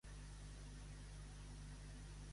Mai a través de la desobediència antidemocràtica.